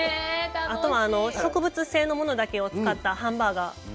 あとは、植物性のものだけを使ったハンバーガー。